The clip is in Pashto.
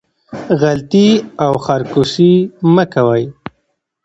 غلطي او خرکوسي مه کوئ